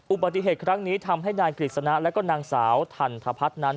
อุบัติเหตุครั้งนี้ทำให้นายกฤษณะและก็นางสาวทันทพัฒน์นั้น